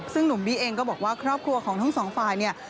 ซึ่งหนุ่มบี้เองก็บอกว่าครอบครัวของทั้งสองฝ่ายเนี่ย